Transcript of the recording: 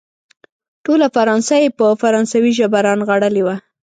ټوله فرانسه يې په فرانسوي ژبه رانغاړلې وه.